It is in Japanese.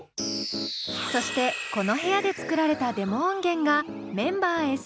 そしてこの部屋で作られたデモ音源がメンバーへ送信されます。